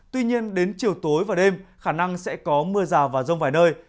tuy nhiên đến chiều tối và đêm khả năng sẽ có mưa rào và rông vài nơi